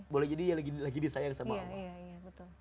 boleh jadi lagi disayang sama allah